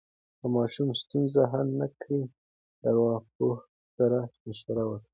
که ماشوم ستونزه حل نه کړي، د ارواپوه سره مشوره وکړئ.